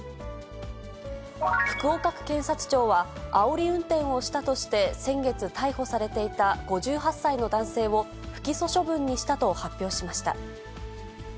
福岡区検察庁は、あおり運転をしたとして、先月、逮捕されていた５８歳の男性を不起訴処分にしたと発表しました。